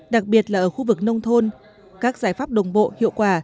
đặc biệt là ở khu vực nông thôn các giải pháp đồng bộ hiệu quả